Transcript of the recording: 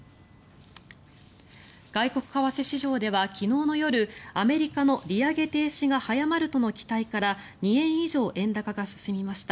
外国為替市場では昨日の夜アメリカの利上げ停止が早まるとの期待から２円以上円高が進みました。